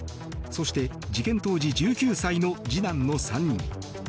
そして、事件当時１９歳の次男の３人。